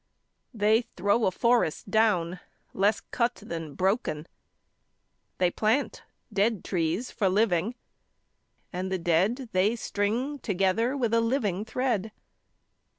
They throw a forest down less cut than broken. They plant dead trees for living, and the dead They string together with a living thread.